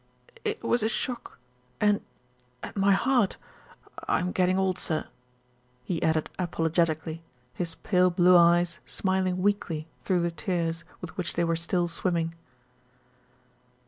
"It was a shock and and my heart I'm getting old, sir," he added apologetically, his pale blue eyes smiling weakly through the tears with which they were still swimming.